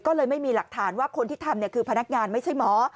ก็เลยไม่มีหลักฐานว่าคนที่ทำคือพนักงานไม่ใช่หมอ